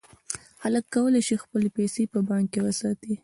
خلک کولای شي خپلې پیسې په بانک کې وساتي.